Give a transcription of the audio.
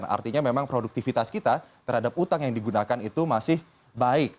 artinya memang produktivitas kita terhadap utang yang digunakan itu masih baik